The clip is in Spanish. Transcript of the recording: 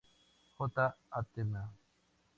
J. Atm.